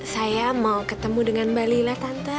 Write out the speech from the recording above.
saya mau ketemu dengan mbak lila tante